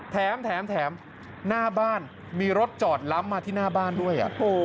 แถมหน้าบ้านมีรถจอดล้ำมาที่หน้าบ้านด้วย